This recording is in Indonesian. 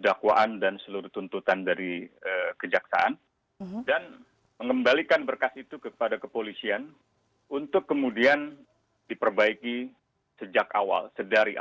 dakwaan dan seluruh tuntutan dari kejaksaan dan mengembalikan berkas itu kepada kepolisian untuk kemudian diperbaiki sejak awal sedari awal